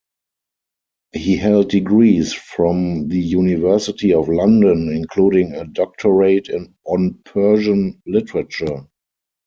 He held degrees from the University of London, including a doctorate on Persian literature.